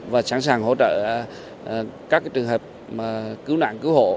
và sẵn sàng hỗ trợ các trường hợp cứu nạn cứu hộ